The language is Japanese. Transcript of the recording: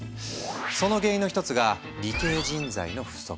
その原因の一つが理系人材の不足。